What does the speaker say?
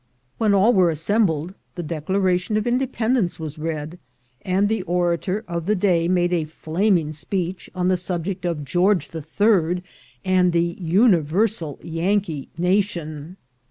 When all were as ACROSS THE ISTHMUS 45 sembled, the Declaration of Independence was read, and the orator of the day made a flaming speech on the subject of George III. and the Universal Yankee nation.